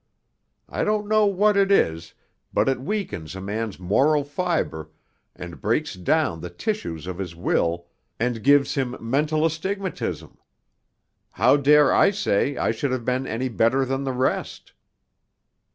I don't know what it is, but it weakens a man's moral fibre, and breaks down the tissues of his will, and gives him mental astigmatism. How dare I say I should have been any better than the rest?"